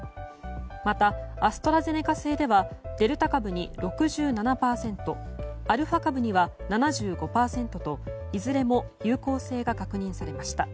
また、アストラゼネカ製ではデルタ株に６７％アルファ株には７５％といずれも有効性が確認されました。